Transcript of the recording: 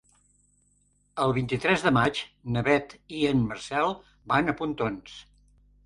El vint-i-tres de maig na Beth i en Marcel van a Pontons.